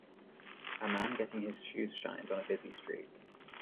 A man getting his shoes shined on a busy street.